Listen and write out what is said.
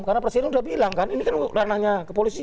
karena presiden sudah bilang kan ini kan ranahnya kepolisian